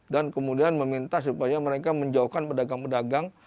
dan kemudian meminta supaya mereka menjauhkan pedagang pedagang